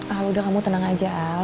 ah udah kamu tenang aja